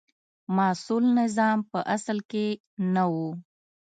مسوول نظام په اصل کې نه و.